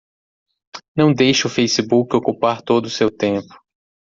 Não deixe o Facebook ocupar todo o seu tempo.